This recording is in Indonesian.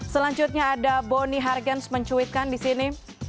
selanjutnya ada boni hargens mencuitkan di sini